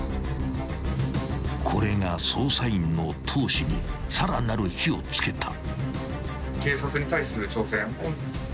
［これが捜査員の闘志にさらなる火を付けた］